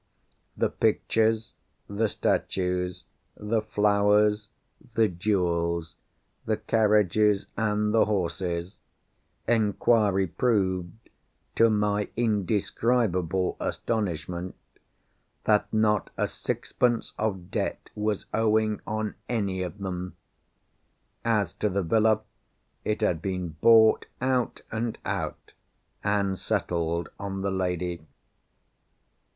The pictures, the statues, the flowers, the jewels, the carriages, and the horses—inquiry proved, to my indescribable astonishment, that not a sixpence of debt was owing on any of them. As to the villa, it had been bought, out and out, and settled on the lady.